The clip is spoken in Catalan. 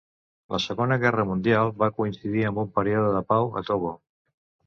La Segona Guerra Mundial va coincidir amb un període de pau a Togo.